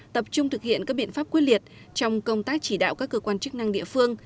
tập trung thực hiện các biện pháp quyết liệt trong công tác chỉ đạo các cơ quan chức năng địa phương